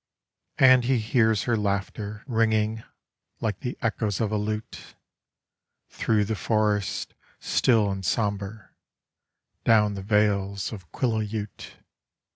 And he hears her laughter ringing like the echoes of a lute Through the forest, still and sombre, down the vales of Quillayute.